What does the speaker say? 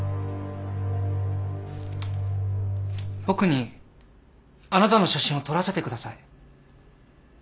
僕にあなたの写真を撮らせてください。